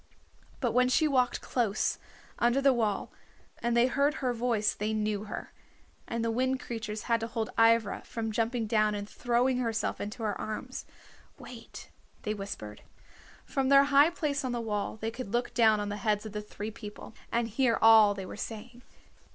But when she walked close under the wall and they heard her voice they knew her, and the Wind Creatures had to hold Ivra from jumping down and throwing herself into her arms. "Wait," they whispered. From their high place on the wall they could look down on the heads of the three people, and hear all they were saying.